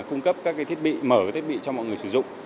cung cấp các cái thiết bị mở cái thiết bị cho mọi người sử dụng